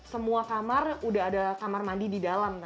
semua kamar udah ada kamar mandi di dalam